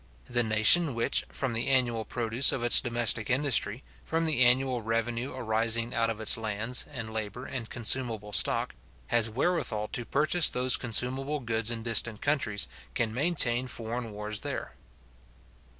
The nation which, from the annual produce of its domestic industry, from the annual revenue arising out of its lands, and labour, and consumable stock, has wherewithal to purchase those consumable goods in distant countries, can maintain foreign wars there.